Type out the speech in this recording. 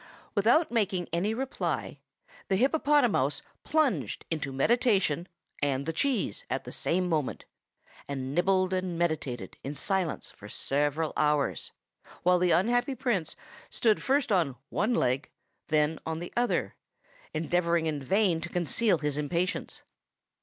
Without making any reply, the hippopotamouse plunged into meditation and the cheese at the same moment, and nibbled and meditated in silence for several hours; while the unhappy Prince stood first on one leg, and then on the other, endeavoring in vain to conceal his impatience.